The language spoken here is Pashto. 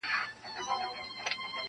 • له دې مقامه دا دوه مخي په شړلو ارزي..